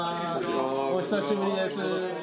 お久しぶりです。